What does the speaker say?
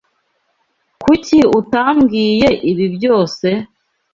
Kuki utambwiye ibi byose?